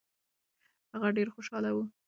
هغه ډېر خوشاله و.